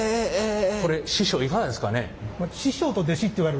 これ師匠いかがですかね？